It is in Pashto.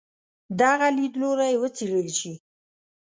دغه لیدلوری وڅېړل شي.